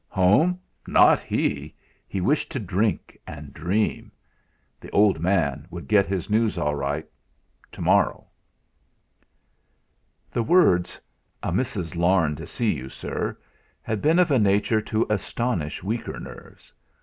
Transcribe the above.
Home! Not he! He wished to drink and dream. "The old man" would get his news all right to morrow! 3 The words: "A Mrs. Larne to see you, sir," had been of a nature to astonish weaker nerves.